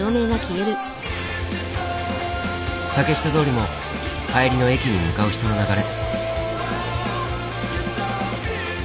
竹下通りも帰りの駅に向かう人の流れ。